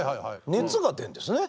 熱が出るんですね